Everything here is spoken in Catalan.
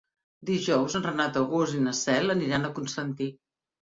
Dijous en Renat August i na Cel aniran a Constantí.